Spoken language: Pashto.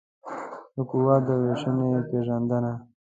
د قواوو د وېشنې پېژندنه